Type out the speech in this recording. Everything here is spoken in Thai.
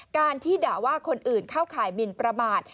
การที่ด่าว่าคนอื่นเข้าข่ายหมินประมาท